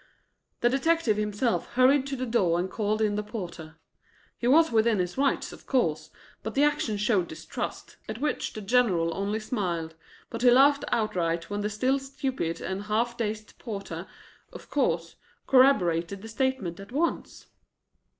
The detective himself hurried to the door and called in the porter. He was within his rights, of course, but the action showed distrust, at which the General only smiled, but he laughed outright when the still stupid and half dazed porter, of course, corroborated the statement at once.